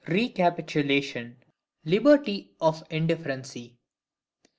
Recapitulation—Liberty of indifferency.